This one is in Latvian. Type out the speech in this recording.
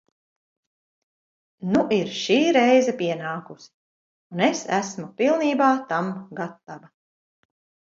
Nu ir šī reize pienākusi, un es esmu pilnībā tam gatava.